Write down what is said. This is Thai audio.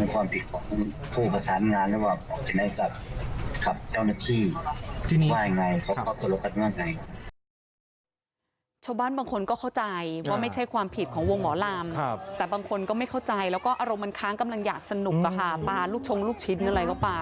ชาวบ้านบางคนก็เข้าใจว่าไม่ใช่ความผิดของวงหมอลำแต่บางคนก็ไม่เข้าใจแล้วก็อารมณ์มันค้างกำลังอยากสนุกปลาลูกชงลูกชิ้นอะไรก็ปลา